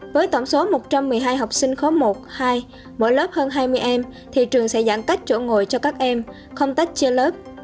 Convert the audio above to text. với tổng số một trăm một mươi hai học sinh khó một hai mỗi lớp hơn hai mươi em thì trường sẽ giãn cách chỗ ngồi cho các em không tách chia lớp